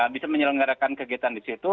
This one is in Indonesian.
bisa menyelenggarakan kegiatan di situ